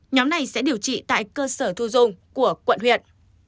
nhóm này sẽ điều trị tại cơ sở thu dung của quận huyện